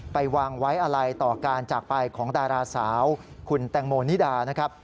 ไปวางไว้อะไรต่อการจากไปของดาราสาวคุณแตงโมนิดานะครับ